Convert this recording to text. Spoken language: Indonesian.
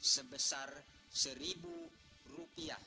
sebesar seribu rupiah